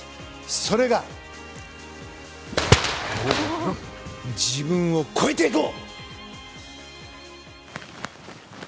それが自分を超えていこう！